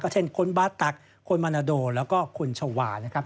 เช่นคนบาตักคนมานาโดแล้วก็คนชาวานะครับ